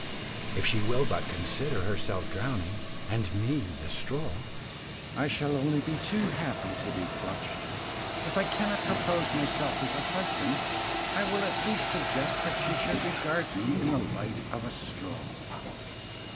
If she will but consider herself drowning, and me the straw, I shall only be too happy to be clutched. If I cannot propose myself as a husband, I will at least suggest that she should regard me in the light of a straw.